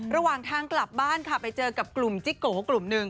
ระหว่างทางกลับบ้านค่ะไปเจอกับกลุ่มจิ๊กโกกลุ่มหนึ่ง